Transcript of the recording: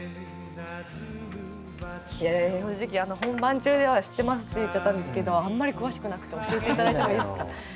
正直本番中では「知ってます」って言っちゃったんですけどあんまり詳しくなくて教えて頂いてもいいですか？